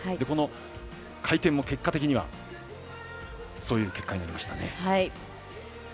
この回転も結果的にはそういう結果になりました。